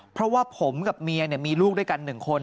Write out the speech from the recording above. เพราะว่าผมกับเมียมีลูกด้วยกัน๑คน